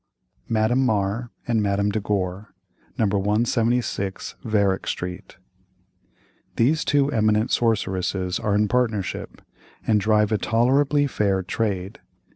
MADAME MAR, AND MADAME DE GORE, No. 176 VARICK STREET. These two eminent sorceresses are in partnership, and drive a tolerably fair trade.